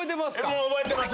もう覚えてます